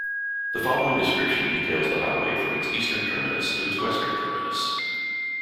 The following description details the highway from its eastern terminus to its western terminus.